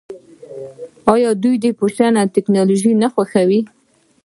آیا دوی فیشن او ټیکنالوژي نه خوښوي؟